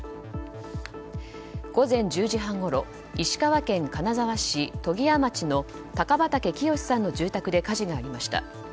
午前１０時半ごろ石川県金沢市利屋町の高畠浄さんの住宅で火事がありました。